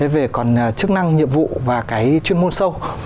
về còn chức năng nhiệm vụ và cái chuyên môn sâu